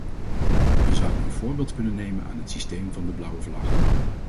We zouden een voorbeeld kunnen nemen aan het systeem van de blauwe vlag.